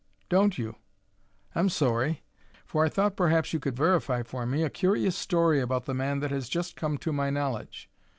"Don't you? I'm sorry, for I thought perhaps you could verify for me a curious story about the man that has just come to my knowledge.